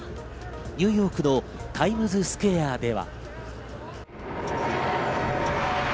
ニューヨークのタイムズスクエアでは。